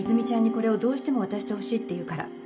これをどうしても渡してほしいって言うから